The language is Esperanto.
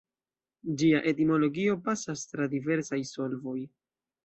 Ĝia etimologio pasas tra diversaj solvoj.